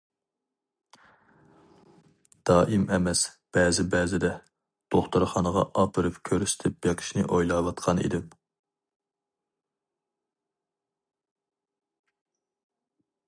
دائىم ئەمەس، بەزى بەزىدە. دوختۇرخانىغا ئاپىرىپ كۆرسىتىپ بېقىشنى ئويلاۋاتقان ئىدىم.